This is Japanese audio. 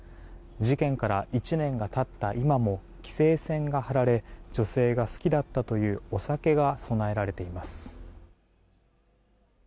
事件から１年が経った今も規制線が張られ女性が好きだったというお酒が供えられています。